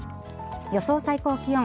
予想最高気温。